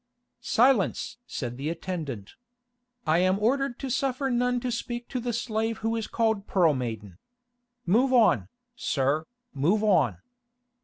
"Silence!" said the attendant. "I am ordered to suffer none to speak to the slave who is called Pearl Maiden. Move on, sir, move on."